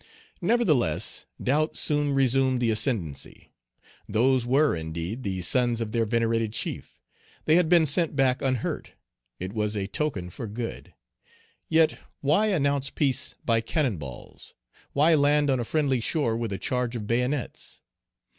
Nevertheless, doubt soon resumed the ascendency. Those were, indeed, the sons of their venerated chief; they had been sent back unhurt; it was a token for good; yet, why announce peace by cannon balls? Why land on a friendly shore with a charge of bayonets?